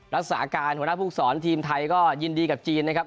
รักษาการหัวหน้าภูมิสอนทีมไทยก็ยินดีกับจีนนะครับ